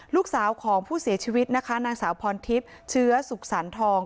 ลูกสาวของผู้เสียชีวิตนะคะนางสาวพรทิพย์เชื้อสุขสรรทอง